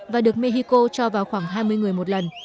và được mexico cho vào khoảng hai mươi người một lần